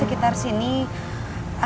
ada yang berpikirnya